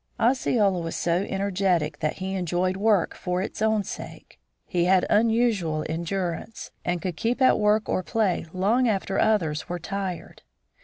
Osceola was so energetic that he enjoyed work for its own sake. He had unusual endurance, and could keep at work or play long after others were tired.